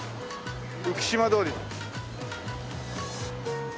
浮島通り。